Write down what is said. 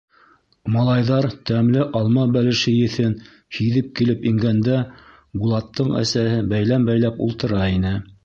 Малайҙар тәмле алма бәлеше еҫен һиҙеп килеп ингәндә, Булаттың әсәһе бәйләм бәйләп ултыра ине.